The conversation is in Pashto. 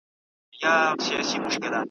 د ښکاری هم حوصله پر ختمېدو وه `